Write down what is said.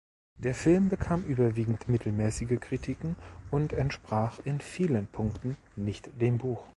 Der Film bekam überwiegend mittelmäßige Kritiken und entsprach in vielen Punkten nicht dem Buch.